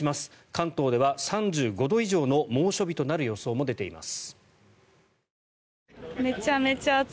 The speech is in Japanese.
関東では３５度以上の猛暑日となる予想も出ています。